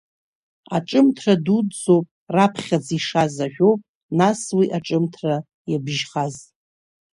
Аҿымҭра дуӡӡоуп раԥхьаӡа ишаз, ажәоуп нас уи аҿымҭра иабжьхаз.